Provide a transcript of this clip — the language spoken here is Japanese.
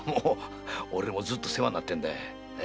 俺もずっと世話になってんだ。